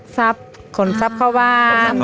ทรัพย์ขนทรัพย์เข้าบ้าน